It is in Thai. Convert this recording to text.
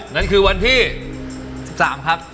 มันคือวันภูกส่งการครอบครัว